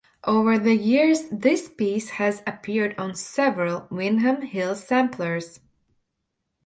Over the years this piece has appeared on several Windham Hill samplers.